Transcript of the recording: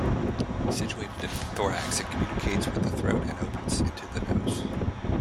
Situated in the thorax, it communicates with the throat and opens into the nose.